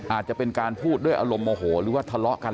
อาจจะเป็นการพูดด้วยอารมณ์โมโหหรือว่าทะเลาะกัน